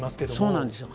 そうなんですよ。